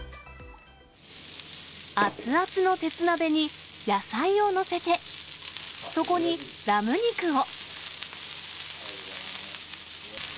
熱々の鉄鍋に野菜を載せて、そこにラム肉を。